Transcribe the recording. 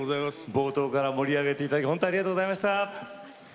冒頭から盛り上げて頂きほんとありがとうございました。